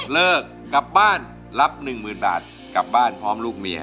เลิกกลับบ้านรับ๑๐๐๐บาทกลับบ้านพร้อมลูกเมีย